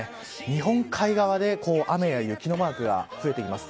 日本海側で雨や雪のマークが増えてきます。